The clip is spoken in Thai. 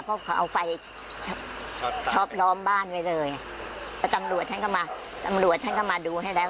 เพราะคือเอาไฟชอบล้อมบ้านไว้เลยตำรวจท่านก็มาดูให้แล้ว